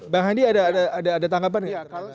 bang hadi ada tanggapan ya